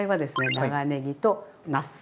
長ねぎとなす。